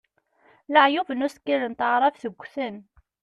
Leɛyub n usekkil n taɛrabt ggten.